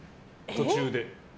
途中で。